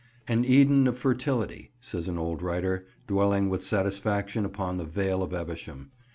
"AN Eden of fertility," says an old writer, dwelling with satisfaction upon the Vale of Evesham.